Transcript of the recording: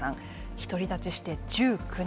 独り立ちして１９年。